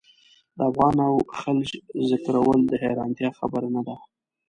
د افغان او خلج ذکرول د حیرانتیا خبره نه ده.